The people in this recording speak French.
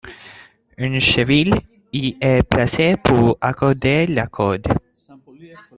Une cheville y est placée pour accorder la corde.